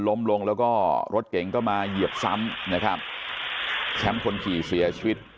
ล้มลงแล้วก็รถเก่งก็มาเหยียบซ้ำนะครับแชมป์คนขี่เสียชีวิต